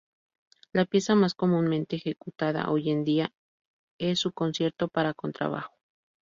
La pieza más comúnmente ejecutada, hoy en día, es su Concierto para contrabajo.